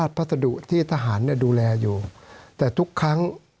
สวัสดีครับทุกคน